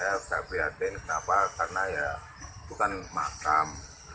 ya agak prihatin kenapa karena ya bukan makam